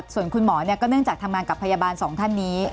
ส่วนคุณหมอก็เนื่องจากทำงานกับพยาบาลสองท่านนี้